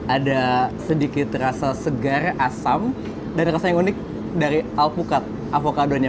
ada sedikit rasa segar asam dan rasa yang unik dari alpukat avokadonya